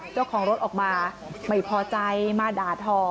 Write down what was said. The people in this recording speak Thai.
เจ้าของรถออกมาไม่พอใจมาด่าทอ